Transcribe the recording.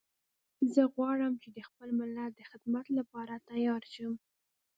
زه غواړم چې د خپل ملت د خدمت لپاره تیار شم